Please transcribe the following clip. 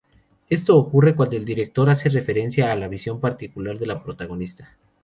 Esto ocurre cuando el director hace referencia a la visión particular de la protagonista.